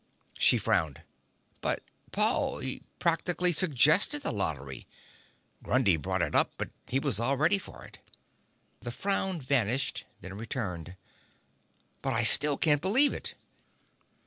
She frowned. "But ... Paul, he practically suggested the lottery! Grundy brought it up, but he was all ready for it." The frown vanished, then returned. "But I still can't believe it."